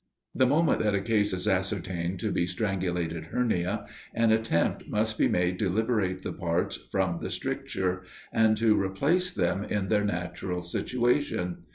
The moment that a case is ascertained to be strangulated hernia, an attempt must be made to liberate the parts from the stricture, and to replace them in their natural situation.